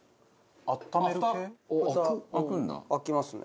開きますね。